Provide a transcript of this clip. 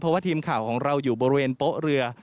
เพราะว่าทีมข่าวของเราอยู่บริเวณโป๊ะเรือ